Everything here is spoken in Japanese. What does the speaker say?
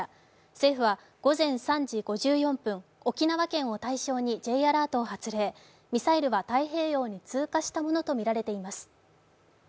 政府は午前３時５４分、沖縄県を対象にＪアラートを発令、ミサイルは太平洋に通過したものとみられています。